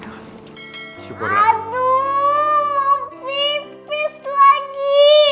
aduh mau tipis lagi